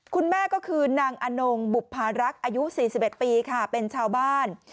คุณแม่ก็คือนางอนงบุภารักษ์อายุ๔๑ปีค่ะเป็นชาวบ้าน